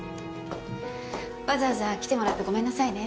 わざわざ来てもらってごめんなさいね。